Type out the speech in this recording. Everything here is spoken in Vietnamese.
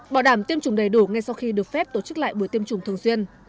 bảo đảm tiêm chủng đầy đủ ngay sau khi được phép tổ chức lại buổi tiêm chủng thường xuyên